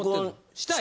したい？